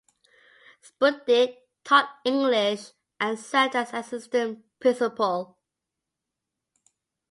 Spudich taught English and served as assistant principal.